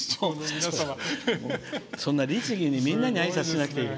そんな律儀にみんなにあいさつしなくていい。